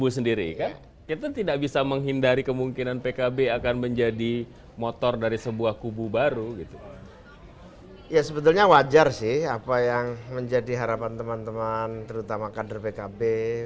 ya sebetulnya wajar sih apa yang menjadi harapan teman teman terutama kader pkb